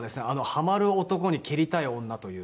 『ハマる男に蹴りたい女』という。